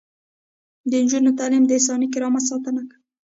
د نجونو تعلیم د انساني کرامت ساتنه کوي.